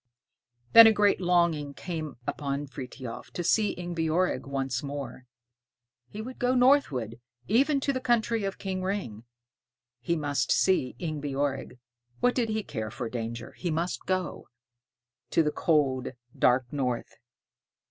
Then a great longing came upon Frithiof to see Ingebjorg once more. He would go northward, even to the country of King Ring; he must see Ingebjorg. What did he care for danger? He must go. To the cold, dark north.